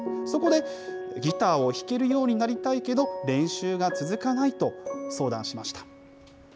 そこでギターを弾けるようになりたいけど、練習が続かないと、相談しました。